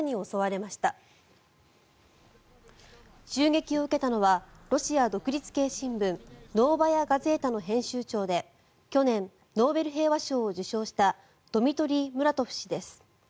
襲撃を受けたのはロシア独立系新聞ノーバヤ・ガゼータの編集長で去年、ノーベル平和賞を受賞したドミトリー・ムラトフ氏です。